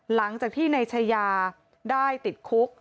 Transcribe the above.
หลังจากที่นายชายาได้ติดคุก